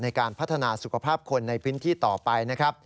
ในการพัฒนาสุขภาพคนในพื้นที่ต่อไปนะครับ